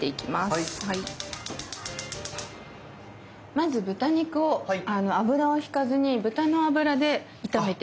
まず豚肉を油を引かずに豚の油で炒めていく感じ。